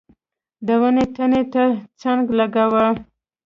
د ونې تنې ته څنګ ولګاوه.